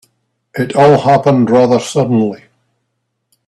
It all happened rather suddenly.